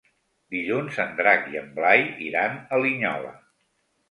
Dilluns en Drac i en Blai iran a Linyola.